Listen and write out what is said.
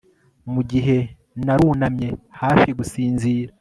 mugihe narunamye, hafi gusinzira